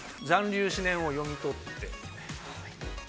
残留思念を読み取って。